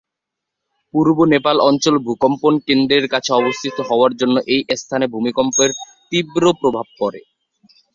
পূর্ব নেপাল অঞ্চল ভূকম্পন কেন্দ্রের কাছে অবস্থিত হওয়ার জন্য এই স্থানে ভূমিকম্পের তীব্র প্রভাব পর।